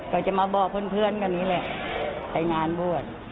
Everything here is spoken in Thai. ก็จะมาบอกเพื่อนกันนี่แหละไปงานบวช